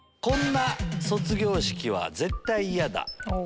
こんな卒業式は絶対嫌だ